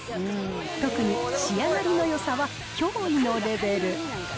特に仕上がりのよさは驚異のレベル。